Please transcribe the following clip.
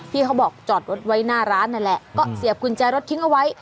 ที่เขาบอกจอดรถไว้หน้าร้านนั่นแหละก็เสียบกุญแจรถทิ้งเอาไว้